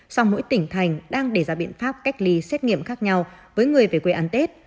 song mỗi tỉnh thành đang đề ra biện pháp cách ly xét nghiệm khác nhau với người về quê ăn tết